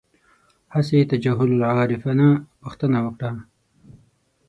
هسې یې تجاهل العارفانه پوښتنه وکړه.